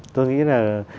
tôi nghĩ là